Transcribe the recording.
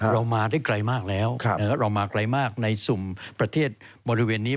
เรามาได้ไกลมากแล้วเรามาไกลมากในสุ่มประเทศบริเวณนี้